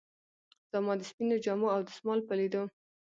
زما د سپینو جامو او دستمال په لیدو.